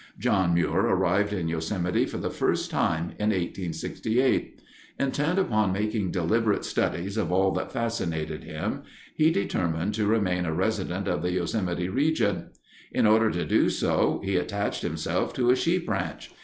John Muir arrived in Yosemite for the first time in 1868. Intent upon making deliberate studies of all that fascinated him, he determined to remain a resident of the Yosemite region. In order to do so, he attached himself to a sheep ranch.